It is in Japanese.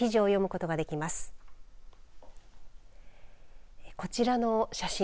こちらの写真